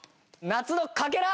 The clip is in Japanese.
『夏のかけら』！